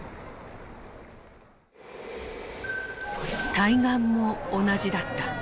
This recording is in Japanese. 対岸も同じだった。